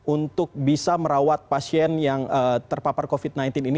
untuk bisa merawat pasien yang terpapar covid sembilan belas ini